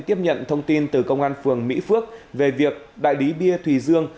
tiếp nhận thông tin từ công an phường mỹ phước về việc đại lý bia thùy dương